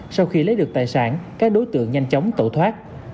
sau khi lấy được tài sản các đối tượng nhanh chóng tẩu thoát